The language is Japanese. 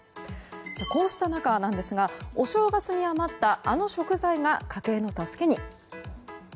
こうした中、お正月に余ったあの食材が家計の助けに。